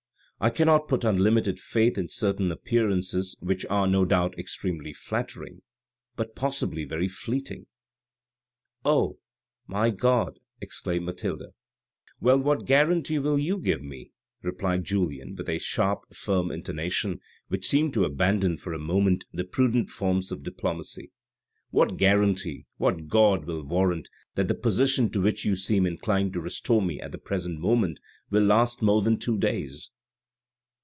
I cannot put unlimited faith in certain appearances which are, no doubt, extremely flattering, but possibly very fleeting." " Oh, my God !" exclaimed Mathilde. u Well, what guarantee will you give me ?" replied Julien with a sharp, firm intonation, which seemed to abandon for a moment the prudent forms of diplomacy. " What guarantee, what god will warrant that the position to which you seem inclined to restore me at the present moment will last more than two days